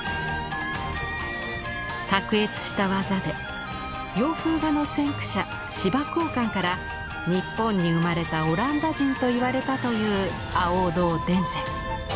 卓越した技で洋風画の先駆者司馬江漢から「日本に生まれたオランダ人」と言われたという亜欧堂田善。